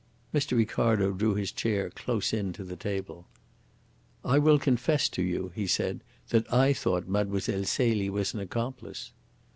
Mr. Ricardo drew his chair closer in to the table. "I will confess to you," he said, "that I thought Mlle. Celie was an accomplice."